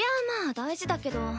まあ大事だけど。